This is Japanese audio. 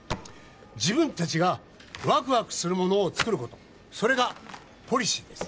自分達がワクワクするものを作ることそれがポリシーです